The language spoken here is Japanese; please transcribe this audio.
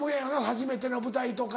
初めての舞台とか。